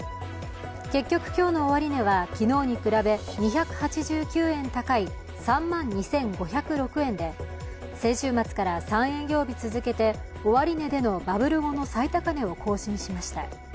結局、今日の終値は昨日に比べ２８９円高い３万２５０６円で先週末から３営業日続けて終値でのバブル後の最高値しました。